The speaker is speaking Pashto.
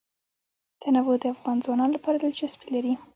تنوع د افغان ځوانانو لپاره دلچسپي لري.